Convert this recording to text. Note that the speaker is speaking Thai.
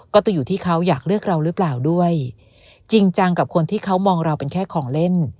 จะอยู่ที่เขาอยากเลือกเราหรือเปล่าด้วยจริงจังกับคนที่เขามองเราเป็นแค่ของเล่น